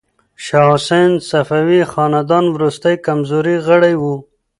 شاه حسین د صفوي خاندان وروستی کمزوری غړی و.